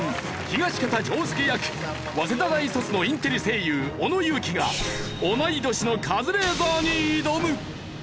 東方仗助役早稲田大卒のインテリ声優小野友樹が同い年のカズレーザーに挑む！